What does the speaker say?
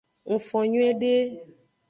Ngfon nyuiede.